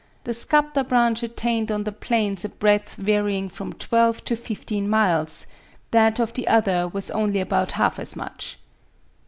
The Skapta branch attained on the plains a breadth varying from twelve to fifteen miles that of the other was only about half as much.